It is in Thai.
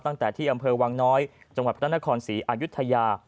ตั้งแต่ที่อำเภอวังน้อยจังหวัดพระนครศรีอายุทยา